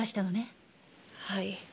はい。